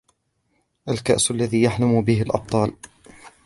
الکاس الذی یحلم به الابطال.